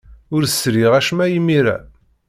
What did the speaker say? Ur sriɣ acemma imir-a.